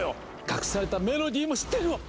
隠されたメロディーも知ってるわ！